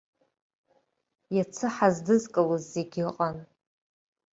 Иацы ҳаздызкылоз зегь ыҟан.